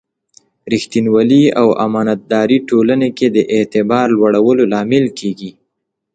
ریښتینولي او امانتداري ټولنې کې د اعتبار لوړولو لامل کېږي.